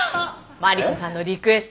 マリコさんのリクエスト。